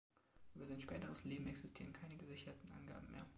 Über sein späteres Leben existieren keine gesicherten Angaben mehr.